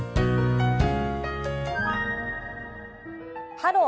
「ハロー！